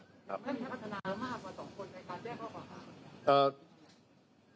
ไม่มีพัฒนามากกว่า๒คนในการแจ้งเข้ากว่าพยาน